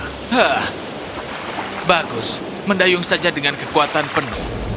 hah bagus mendayung saja dengan kekuatan penuh